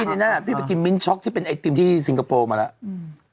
ในนั้นพี่ไปกินมิ้นช็อกที่เป็นไอติมที่สิงคโปร์มาแล้ว